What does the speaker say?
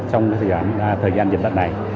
trong thời gian dịch bệnh này